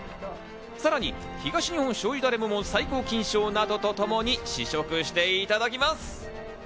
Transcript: さらに東日本しょうゆダレ部門最高金賞などとともに試食していただきます。